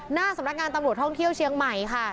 หน้าสำนักงานตำรวจท่องเที่ยวเชียงใหม่ค่ะ